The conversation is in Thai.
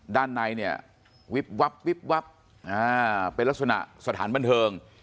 ด้านในเนี่ยวิบวับวิบวับเป็นลักษณะสถานบันเทิง